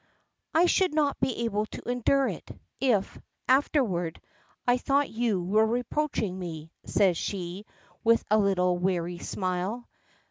"I should not be able to endure it, if afterward I thought you were reproaching me," says she, with a little weary smile.